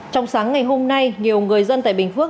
trong sáng ngày hôm nay nhiều người dân tại bình phước